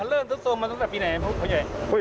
สุดโทรมมาตั้งแต่พี่ใหญ่